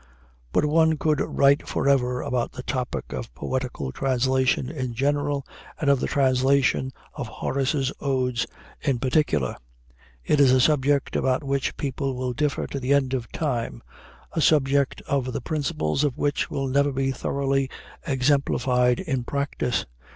But one could write forever upon the topic of poetical translation in general, and of the translation of Horace's odes in particular. It is a subject about which people will differ to the end of time; a subject the principles of which will never be thoroughly exemplified in practice.